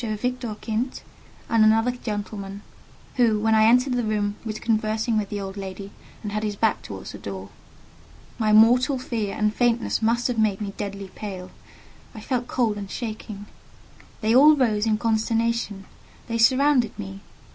Victor Kint, and another gentleman, who, when I entered the room, was conversing with the old lady, and had his back towards the door. My mortal fear and faintness must have made me deadly pale. I felt cold and shaking. They all rose in consternation; they surrounded me.